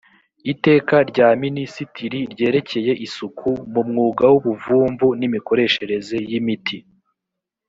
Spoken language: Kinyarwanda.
iteka rya minisitiri ryerekeye isuku mu mwuga w ubuvumvu n imikoreshereze y imiti